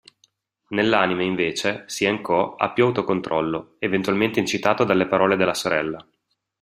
Nell'anime, invece, Hsien-ko ha più autocontrollo, eventualmente incitato dalle parole della sorella.